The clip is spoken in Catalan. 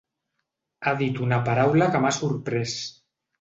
Ha dit una paraula que m’ha sorprès.